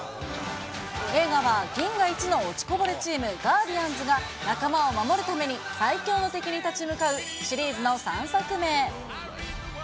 映画は銀河一の落ちこぼれチーズ、ガーディアンズが仲間を守るために最強の敵に立ち向かうシリーズの３作目。